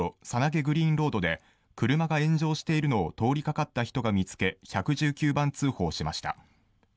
猿投グリーンロードで車が炎上しているのを通りかかった人が見つけ１１９番通報しました。